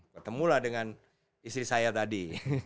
ketemu lah dengan istri saya tadi